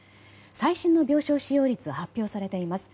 最新の病床使用率が発表されています。